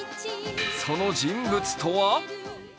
その人物とは？